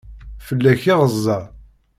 Fell-ak iɣeza.